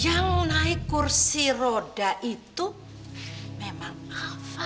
yang naik kursi roda itu memang apa